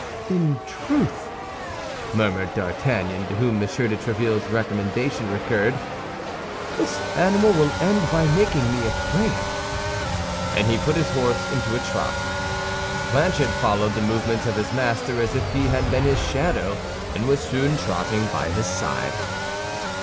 "In truth," murmured D'Artagnan, to whom M. de Tréville's recommendation recurred, "this animal will end by making me afraid." And he put his horse into a trot. Planchet followed the movements of his master as if he had been his shadow, and was soon trotting by his side.